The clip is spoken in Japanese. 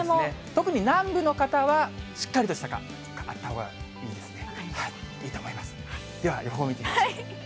特に南部の方はしっかりとした傘があったほうがいいですね。